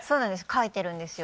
描いてるんですよ。